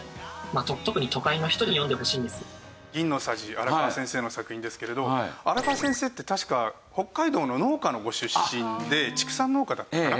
荒川先生の作品ですけれど荒川先生って確か北海道の農家のご出身で畜産農家だったかな？